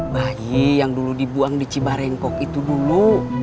bayi yang dulu dibuang di cibarengkok itu dulu